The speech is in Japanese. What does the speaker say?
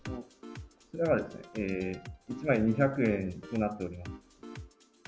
これが１枚２００円となっております。